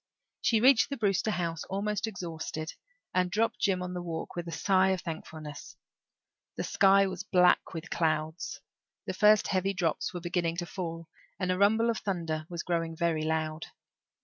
She reached the Brewster house, almost exhausted, and dropped Jims on the walk with a sigh of thankfulness. The sky was black with clouds; the first heavy drops were beginning to fall; and the rumble of thunder was growing very loud.